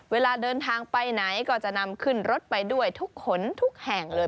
เวลาเดินทางไปไหนก็จะนำขึ้นรถไปด้วยทุกขนทุกแห่งเลย